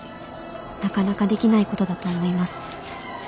なかなかできないことだと思います。